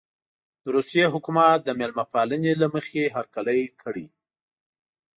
د روسیې حکومت د مېلمه پالنې له مخې هرکلی کړی.